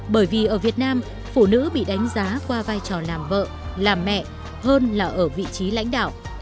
bởi vì ở việt nam phụ nữ bị đánh giá qua vai trò làm vợ làm mẹ hơn là ở vị trí lãnh đạo